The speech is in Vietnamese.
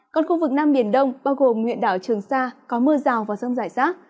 còn khu vực nam biển đông bao gồm huyện đảo trường sa có mưa rào và rông giải sát